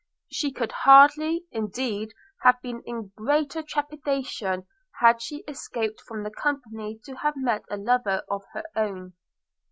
She could hardly, indeed, have been in greater trepidation had she escaped from the company to have met a lover of her own.